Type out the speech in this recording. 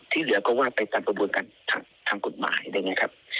ที่เหลือก็ว่าไปตามกระบวนการทางกฎหมาย